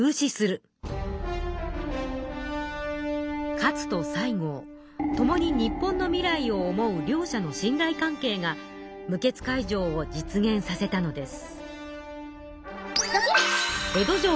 勝と西郷ともに日本の未来を思う両者の信らい関係が無血開城を実現させたのです。